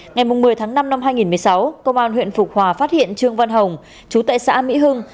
ngày một mươi tháng năm năm hai nghìn một mươi sáu công an huyện phục hòa phát hiện trương văn hồng chú tại xã mỹ hưng